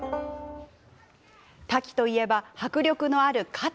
タキといえば迫力のある喝。